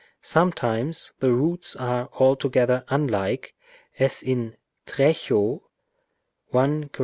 Sometimes the roots are altogether unlike, as in τρέχω (1 Cor.